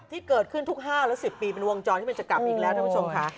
ที่เกิดขึ้นทุก๕และ๑๐ปีเป็นวงจรที่มันจะกลับอีกแล้วท่านผู้ชมค่ะ